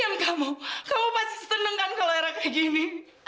diam kamu kamu pasti setenangkan kalau era kayak gini